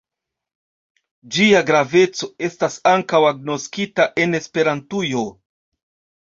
Ĝia graveco estas ankaŭ agnoskita en Esperantujo.